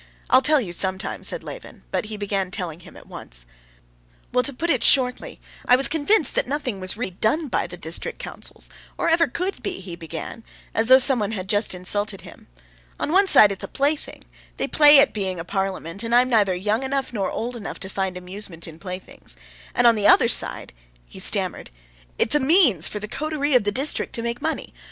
I will tell you some time," said Levin, but he began telling him at once. "Well, to put it shortly, I was convinced that nothing was really done by the district councils, or ever could be," he began, as though someone had just insulted him. "On one side it's a plaything; they play at being a parliament, and I'm neither young enough nor old enough to find amusement in playthings; and on the other side" (he stammered) "it's a means for the coterie of the district to make money.